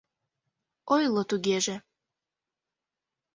— Ойло тугеже.